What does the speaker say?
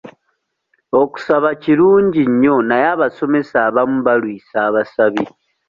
Okusaba kirungi nnyo naye abasomesa abamu balwisa abasabi.